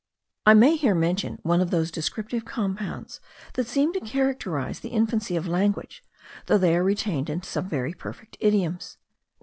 I may here mention one of those descriptive compounds that seem to characterise the infancy of language, though they are retained in some very perfect idioms.